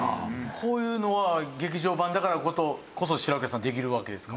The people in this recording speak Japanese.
こういうのは劇場版だからこそ白倉さんできるわけですか？